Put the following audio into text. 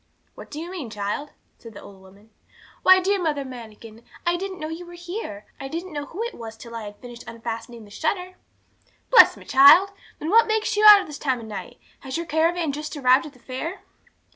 'What do you mean, child?' said the old woman. 'Why, dear Mother Manikin, I didn't know you were here. I didn't know who it was till I had finished unfastening the shutter.' 'Bless me, child! then what makes you out at this time of night? Has your caravan just arrived at the fair?'